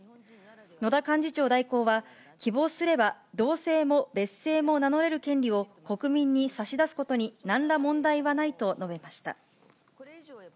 野田幹事長代行は、希望すれば同姓も別姓も名乗れる権利を国民に差し出すことになんら問題はないと述べました。